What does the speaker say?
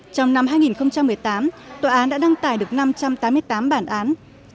trong năm hai nghìn một mươi tám tòa án đã đăng tải được năm trăm tám mươi tám bản án